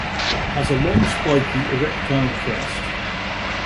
It has a long spiky erectile crest.